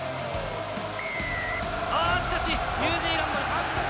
しかしニュージーランドに反則。